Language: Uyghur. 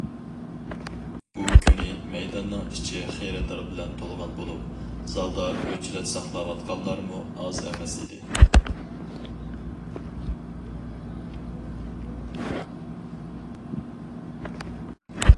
بۇ كۈنى مەيداننىڭ ئىچى خېرىدار بىلەن تولغان بولۇپ، زالدا ئۆچرەت ساقلاۋاتقانلارمۇ ئاز ئەمەس ئىدى.